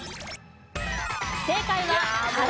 正解は「原」。